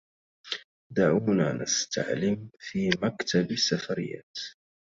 دعونا نستعلم فى مكتب السفريات.